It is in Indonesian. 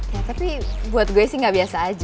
ya tapi buat gue sih nggak biasa aja